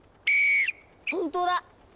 本当だ。